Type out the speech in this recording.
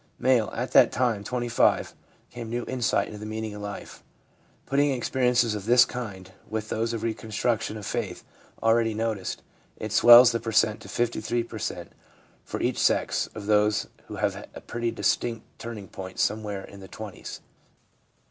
, M. 'At that time (25) came new insight into the meaning of life/ Putting experiences of this kind with those of reconstruction of faith already noticed, it swells the per cent, to 53 for each sex of those who have a pretty distinct turning point somewhere in the 20's.